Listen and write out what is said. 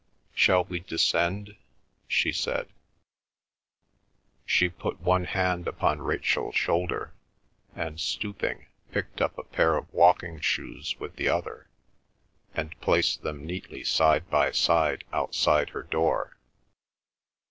"Shall we descend?" she said. She put one hand upon Rachel's shoulder, and stooping, picked up a pair of walking shoes with the other, and placed them neatly side by side outside her door.